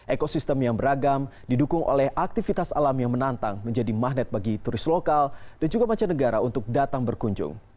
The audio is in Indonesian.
ekosistem yang beragam didukung oleh aktivitas alam yang menantang menjadi magnet bagi turis lokal dan juga macam negara untuk datang berkunjung